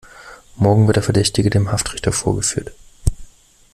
Morgen wird der Verdächtige dem Haftrichter vorgeführt.